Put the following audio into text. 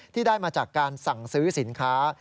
ที่ได้มาจากการสั่งซื้อสินค้า